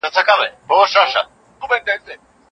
د دولتونو ترمنځ اړيکې د سياسي علومو بنسټ جوړوي.